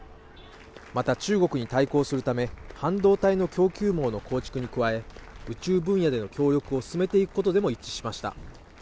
また中国に対抗するため、半導体の供給網の構築に加え、宇宙分野での協力を進めていくことでも一致しました。